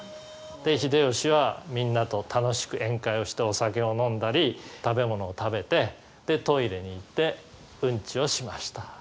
で秀吉はみんなと楽しく宴会をしてお酒を飲んだり食べ物を食べてでトイレに行ってうんちをしました。